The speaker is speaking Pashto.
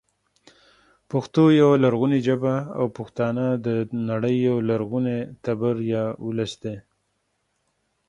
پښتو يوه لرغونې ژبه او پښتانه د نړۍ یو لرغونی تبر یا ولس دی